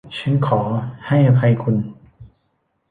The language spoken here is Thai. ฉันขอให้อภัยคุณ !